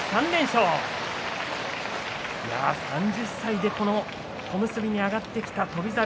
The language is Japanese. ３０歳で小結に上がってきた翔猿。